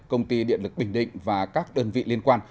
công ty điện lực bình định và các đơn vị liên quan